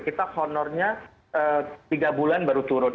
kita honornya tiga bulan baru turun